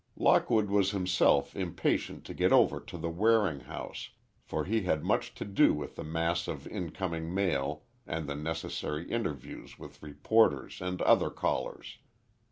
Lockwood was himself impatient to get over to the Waring house, for he had much to do with the mass of incoming mail and the necessary interviews with reporters and other callers.